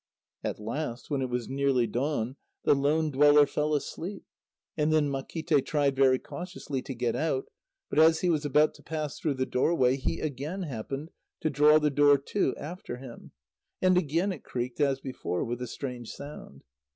At last, when it was nearly dawn, the lone dweller fell asleep, and then Makíte tried very cautiously to get out, but as he was about to pass through the doorway, he again happened to draw the door to after him, and again it creaked as before with a strange sound.